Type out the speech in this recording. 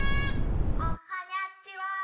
おはにゃちは！